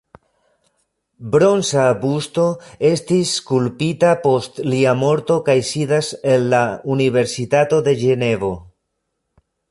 Bronza busto estis skulptita post lia morto kaj sidas en la "Universitato de Ĝenevo".